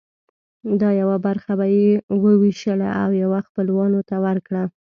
دا یوه برخه به یې وویشله او یوه خپلوانو ته ورکړه.